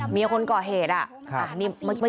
เมียคนก่อเหตุอ่ะ